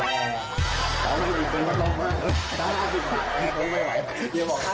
แต่ว่าจะมีเป็นแอร์ล่ะ